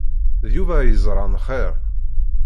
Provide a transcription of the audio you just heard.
D Yuba ay yeẓran xir.